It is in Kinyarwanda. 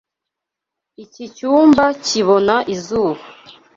Iki cyumba kibona izuba.